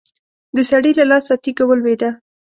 د سړي له لاسه تېږه ولوېده.